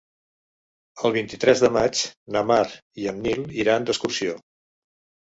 El vint-i-tres de maig na Mar i en Nil iran d'excursió.